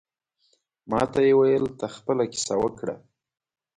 ماته یې ویل ته خپله کیسه وکړه.